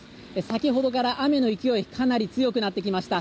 先ほどから雨の勢いかなり強くなってきました。